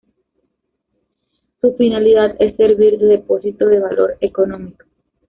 Su finalidad es servir de depósito de valor económico.